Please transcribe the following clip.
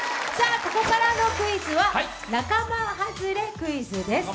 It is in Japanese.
ここからのクイズは「仲間外れクイズ」です。